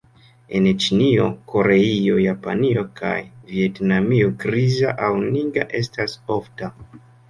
En Ĉinio, Koreio, Japanio kaj Vjetnamio griza aŭ nigra estas ofta.